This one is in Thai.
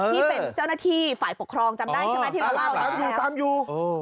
ที่เป็นเจ้าหน้าที่ฝ่ายปกครองจำได้ใช่ไหมที่เราเล่าตามอยู่ตามอยู่